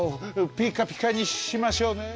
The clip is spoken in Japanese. ピッカピカにしましょうね。